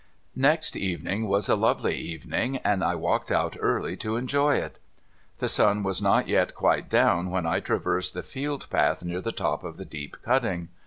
■ Next evening was a lovely evening, and I walked out early to enjoy it. The sun was not yet quite down when I traversed the field path near the top of the deep cutting.